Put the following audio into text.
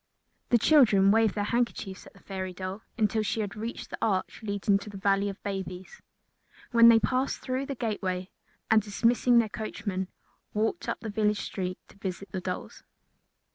The children waved their handkerchiefs at the fairy doll until she had reached the arch leading to the Valley of Babies, when they passed through the gateway and, dismissing their coachmen, walked up the village street to visit the dolls.